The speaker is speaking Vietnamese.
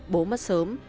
bố mất sớm